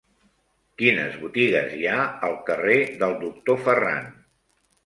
Quines botigues hi ha al carrer del Doctor Ferran?